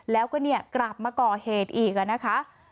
แล้วก็กลับมาก่อเหตุอีก